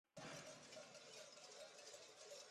ایا ستاسو پنیر به تازه وي؟